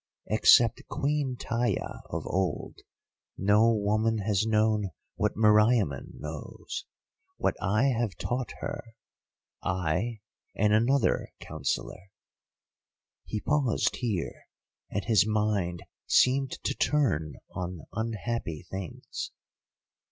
Except Queen Taia of old, no woman has known what Meriamun knows, what I have taught her—I and another counsellor." He paused here, and his mind seemed to turn on unhappy things.